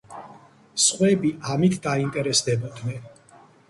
სხვები ამით დაინტერესდებოდნენ.